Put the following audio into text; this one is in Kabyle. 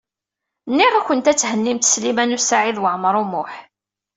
Nniɣ-awent ad thennimt Sliman U Saɛid Waɛmaṛ U Muḥ.